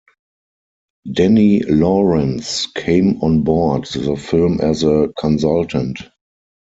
Denny Lawrence came on board the film as a consultant.